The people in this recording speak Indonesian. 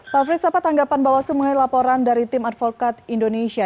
pak frits apa tanggapan bawaslu mengenai laporan dari tim advokat indonesia